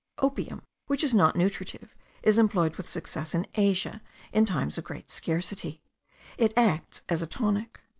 Opium, which is not nutritive, is employed with success in Asia, in times of great scarcity; it acts as a tonic.